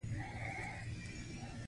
د بلاربښت د مخنيوي ټابليټونه